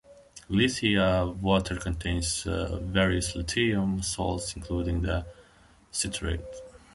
Lithia water contains various lithium salts, including the citrate.